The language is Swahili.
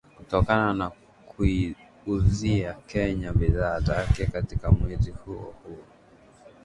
kutokana na kuiuzia Kenya bidhaa zake katika mwezi huo huo